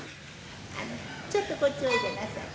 あのちょっとこっちへおいでなさい。